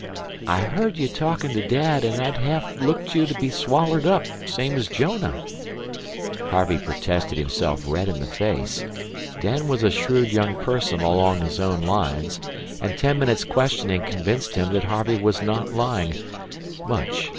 "I heard ye talkin' to Dad, an' I ha'af looked you'd be swallered up, same's Jonah." Harvey protested himself red in the face. Dan was a shrewd young person along his own lines, and ten minutes' questioning convinced him that Harvey was not lying much.